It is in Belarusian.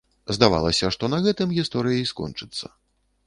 Здавалася, што на гэтым гісторыя і скончыцца.